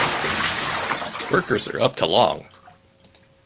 Workers are up to long.